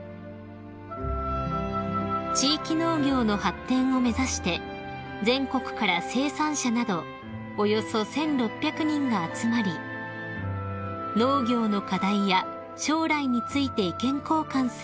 ［地域農業の発展を目指して全国から生産者などおよそ１，６００人が集まり農業の課題や将来について意見交換するこの大会］